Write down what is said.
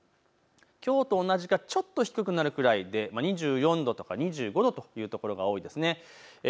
きょうと同じかちょっと低くなるくらいで２４度とか２５度という所が多いですね。